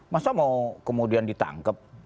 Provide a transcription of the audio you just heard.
masa mau kemudian ditangkep